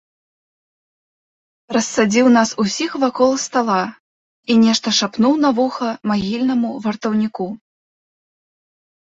Рассадзіў нас усіх вакол стала і нешта шапнуў на вуха магільнаму вартаўніку.